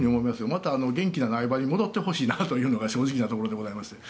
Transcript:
また元気な苗場に戻ってほしいなというのが正直なところです。